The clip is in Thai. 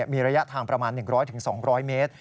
มีระยะทางประมาณ๑๐๐๒๐๐เมตร